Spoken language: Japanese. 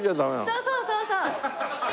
そうそうそうそう。